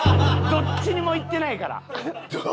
どっちにもいってない。